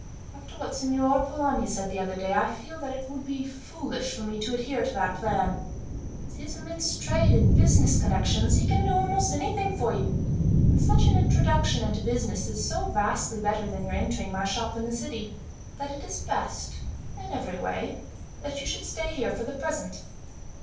After what Signor Polani said the other day, I feel that it would be foolish for me to adhere to that plan. With his immense trade and business connections he can do almost anything for you, and such an introduction into business is so vastly better than your entering my shop in the city, that it is best, in every way, that you should stay here for the present.